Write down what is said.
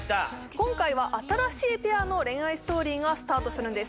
今回は新しいペアの恋愛ストーリーがスタートするんです